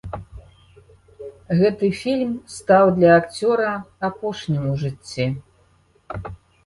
Гэты фільм стаў для акцёра апошнім у жыцці.